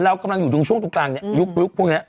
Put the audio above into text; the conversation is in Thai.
เรากำลังอยู่ตรงช่วงตรงกลางเนี่ยยุคพวกนี้